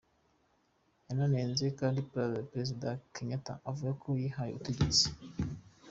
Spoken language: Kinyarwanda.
Yananenze kandi Perezida Kenyatta avuga ko yihaye ubutegetsi.